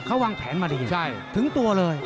เขาวางแผนมาดีถึงตัวเลย